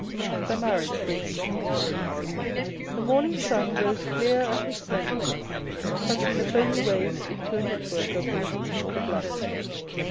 The Marriage Feast The morning's sun rose clear and resplendent, touching the foamy waves into a network of ruby tinted light.